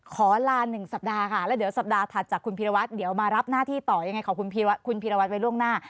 ขอลา๑สัปดาห์ค่ะแล้วเดี๋ยวสัปดาห์ถัดจากคุณพีรวัตรเดี๋ยวมารับหน้าที่ต่อยังไงขอบคุณคุณพีรวัตรไว้ล่วงหน้า